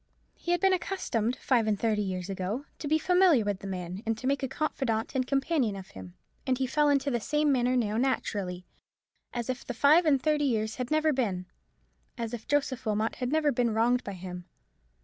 He had been accustomed, five and thirty years ago, to be familiar with the man, and to make a confidant and companion of him, and he fell into the same manner now, naturally; as if the five and thirty years had never been; as if Joseph Wilmot had never been wronged by him.